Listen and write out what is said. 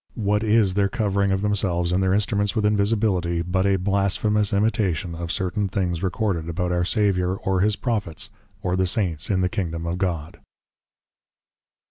What is their Covering of themselves and their Instruments with Invisibility? But a Blasphemous Imitation of certain Things recorded about our Saviour or His Prophets, or the Saints in the Kingdom of God.